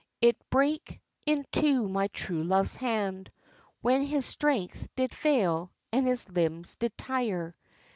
It brake into my true love's hand, When his strength did fail, and his limbs did tire.